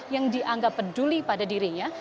yang dianggap peduli pada dirinya